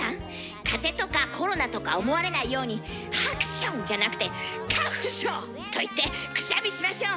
風邪とかコロナとか思われないように「ハクション！」じゃなくて「カッフンショ！」と言ってくしゃみしましょう。